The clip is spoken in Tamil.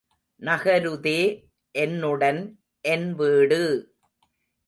நகருதே என்னுடன் என்வீடு!